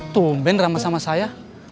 tumben rama sama saya